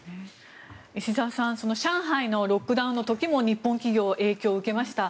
石澤さん上海のロックダウンの時も日本企業、影響を受けました。